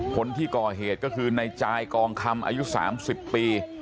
คนที่ก่อเหตุก็คือในจายกองคำอายุ๓๐ปี